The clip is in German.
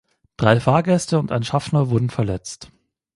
Drei Fahrgäste und ein Schaffner wurden verletzt.